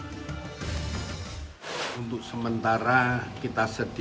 selatan juga menjamin sampah tidak akan mencemari air tanah di sekitar lering merapi